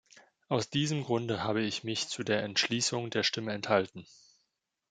Aus diesem Grunde habe ich mich zu der Entschließung der Stimme enthalten.